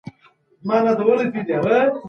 ده وویل چي پښتو زما د سر او سترګو نښه ده.